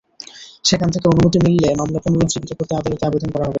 সেখান থেকে অনুমতি মিললে মামলা পুনরুজ্জীবিত করতে আদালতে আবেদন করা হবে।